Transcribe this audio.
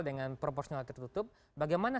dengan proporsional tertutup bagaimana